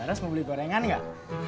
laras mau beli gorengan gak